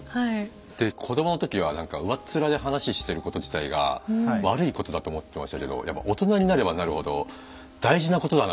で子供の時はなんか上っ面で話してること自体が悪いことだと思ってましたけどやっぱ大人になればなるほど大事なことだなっていうか